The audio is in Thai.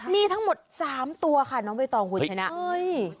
มีทั้งหมด๓ตัวค่ะน้องเบตอลคุณใช่ไหม